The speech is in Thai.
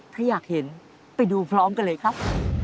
ถ้าอยากเห็นไปดูพร้อมกันเลยครับ